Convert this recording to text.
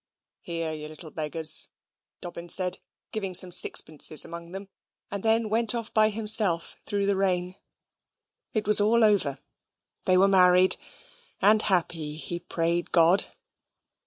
"Here, you little beggars," Dobbin said, giving some sixpences amongst them, and then went off by himself through the rain. It was all over. They were married, and happy, he prayed God.